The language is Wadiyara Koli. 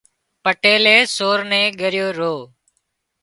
پٽيلئي سور نين ڳريو رو